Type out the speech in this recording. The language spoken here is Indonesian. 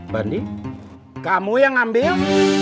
bhandi kamu yang ambil